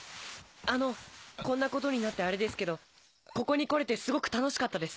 あのこんなことになってあれですけどここに来れてすごく楽しかったです。